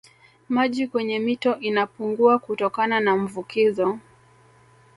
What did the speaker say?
Maji kwenye mito inapungua kutokana na mvukizo